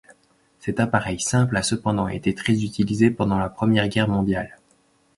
Cet appareil simple a cependant été très utilisé pendant la Première Guerre mondiale.